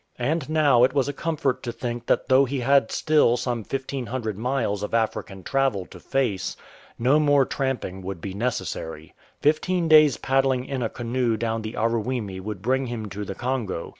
And now it was a comfort to think that though he had still some 1500 miles of African travel to face, no more tramping would be necessary. Fifteen days' paddling in a canoe down the Aruwimi would bring him to the Congo.